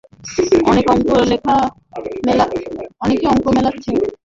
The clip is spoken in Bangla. অনেকে অঙ্ক মেলাচ্ছেন, চট্টগ্রাম আবাহনীকে শিরোপা-বঞ্চিত করতেই শেখ জামাল ছেড়ে দিয়েছে ঢাকা আবাহনীকে।